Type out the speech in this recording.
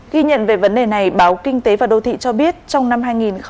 ghi nhận về vấn đề này báo kinh tế và đô thị cho biết trong năm hai nghìn hai mươi